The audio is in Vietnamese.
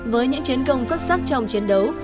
với những chiến công xuất sắc trong chiến đấu